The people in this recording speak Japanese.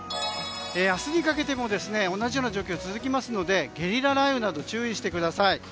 明日にかけても同じような状況が続きますのでゲリラ雷雨など注意してください。